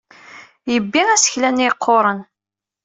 Yebbi isekla-nni yeqquren.